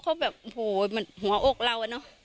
เขาแบบเหมือนหัวอกเรา